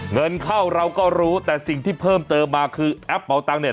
เงินเข้าเราก็รู้แต่สิ่งที่เพิ่มเติมมาคือแอปเป่าตังเนี่ย